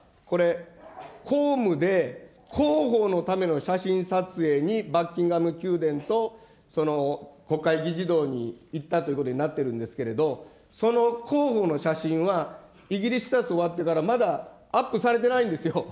私びっくりしたのは、このね、今の外務省は、これ、公務で広報のための写真撮影にバッキンガム宮殿と、国会議事堂に行ったということになってるんですけれど、その広報の写真は、イギリス視察終わってから、まだアップされてないんですよ。